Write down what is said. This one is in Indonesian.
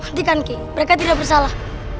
perhentikan ki mereka tidak bersalah